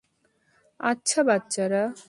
আচ্ছা, বাচ্চারা।